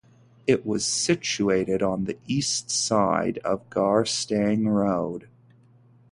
It was situated on the east side of Garstang Road.